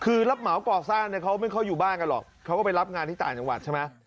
คือรับเหมาก่อสร้างเนี่ยเขาไม่ค่อยอยู่บ้านกันหรอกเขาก็ไปรับงานที่ต่างจังหวัดใช่ไหม